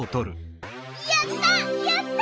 やった！